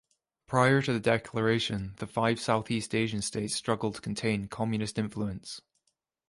Prior to the declaration, the five Southeast Asian states struggled to contain communist influence.